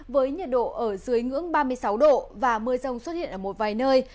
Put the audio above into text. với nhiệt độ ở dưới ngưỡng ba mươi sáu độ và mưa rông xuất hiện ở một vài nơi